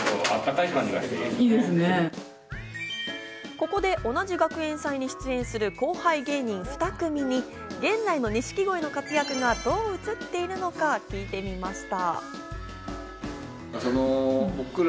ここで同じ学園祭に出演する後輩芸人２組に現在の錦鯉の活躍がどう映っているのか聞いてみました。